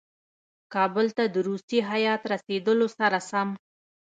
کابل ته د روسي هیات رسېدلو سره سم.